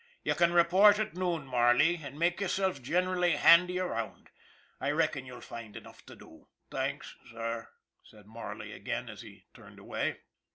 You can report at noon, Marley, and make yourself generally handy around. I reckon you'll find enough to do." :( Thanks, sir," said Marley again, as he turned away.